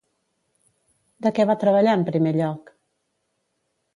De què va treballar en primer lloc?